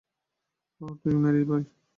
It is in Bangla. ওহ, তুই, মেরীবয়!